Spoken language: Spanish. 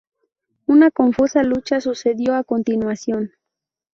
Una confusa lucha sucedió a continuación.